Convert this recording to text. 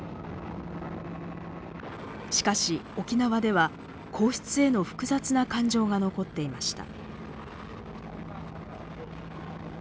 しかし沖縄では皇室への複雑な感情が残っていました。